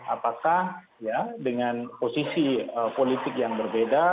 apakah ya dengan posisi politik yang berbeda